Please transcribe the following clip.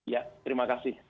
ya terima kasih